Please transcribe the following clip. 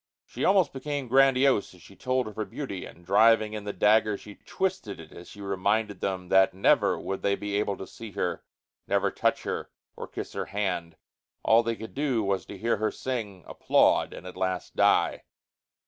She almost became grandiose as she told of her beauty, and, driving in the dagger, she twisted it as she reminded them that never would they be able to see her, never touch her or kiss her hand. All they could do was to hear her sing, applaud and at last die.